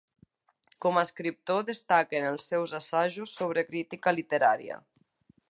Com a escriptor destaquen els seus assajos sobre crítica literària.